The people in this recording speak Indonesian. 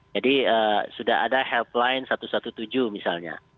jadi sudah ada helpline satu ratus tujuh belas misalnya